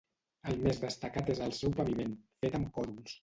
El més destacat és el seu paviment, fet amb còdols.